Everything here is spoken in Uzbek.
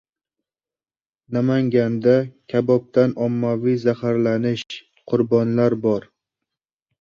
Namanganda kabobdan ommaviy zaharlanish: qurbonlar bor